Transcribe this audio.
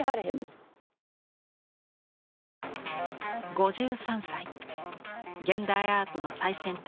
５３歳現代アートの最先端